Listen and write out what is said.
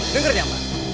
dengar ya mbak